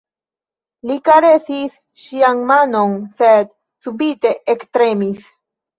Li karesis ŝian manon, sed subite ektremis.